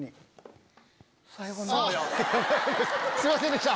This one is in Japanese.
すいませんでした！